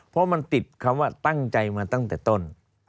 เพราะมันติดคำว่าตั้งใจมาตั้งแต่ต้น